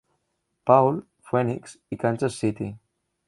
Paul, Phoenix i Kansas City.